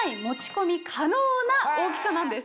な大きさなんです。